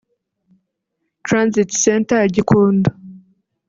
Transit Center ya Gikondo